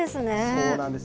そうなんです。